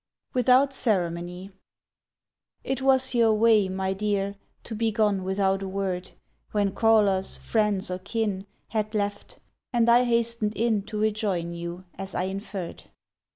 WITHOUT CEREMONY IT was your way, my dear, To be gone without a word When callers, friends, or kin Had left, and I hastened in To rejoin you, as I inferred.